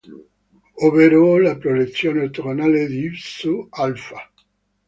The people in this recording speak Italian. Ovvero: la proiezione ortogonale di V su "alpha".